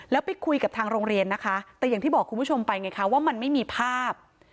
แล้วไปคุยกับทางโรงเรียนนะคะแต่อย่างที่บอกคุณผู้ชมไปไงคะว่ามันไม่มีภาพ